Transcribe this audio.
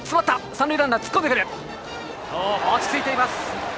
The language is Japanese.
落ち着いています。